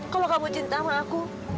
kalau kamu cinta sama aku